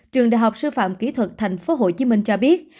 trường đh sư phạm kỹ thuật tp hcm cho biết